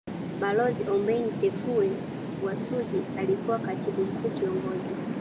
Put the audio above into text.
Balozi Ombeni Sefue wa Suji alikuwa Katibu mkuu Kiongozi